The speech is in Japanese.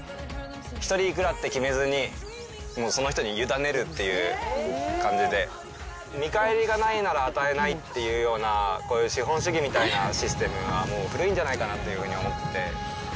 １人いくらって決めずに、その人に委ねるっていう感じで、見返りがないなら与えないっていう、こういう資本主義みたいなシステムはもう古いんじゃないかなというふうに思って。